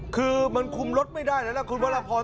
คือมันคุมรถไม่ได้แล้วล่ะคุณวรพร